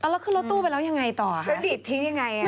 แล้วคือรถตู้ไปแล้วยังไงต่อครับไปดิดทิ้งยังไง